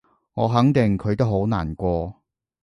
我肯定佢都好難過